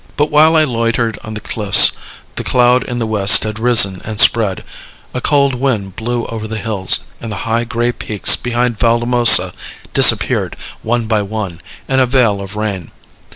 But while I loitered on the cliffs the cloud in the west had risen and spread; a cold wind blew over the hills, and the high gray peaks behind Valdemosa disappeared, one by one, in a veil of rain.